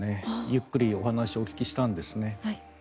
ゆっくりお話をお聞きしたんですね。